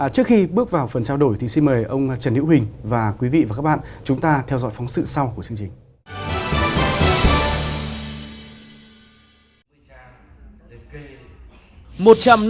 trước khi bước vào phần trao đổi thì xin mời ông trần hiễu huỳnh và quý vị và các bạn chúng ta theo dõi phóng sự sau của chương trình